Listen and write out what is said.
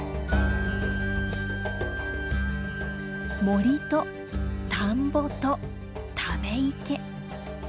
森と田んぼとため池。